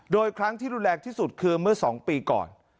โดยครั้งที่รุนแรงที่สุดคือเมื่อ๒ปีก่อน